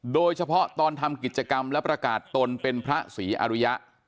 โดยเฉพาะตอนทำกิจกรรมและประกาศตนเป็นพระศรีอรุยะ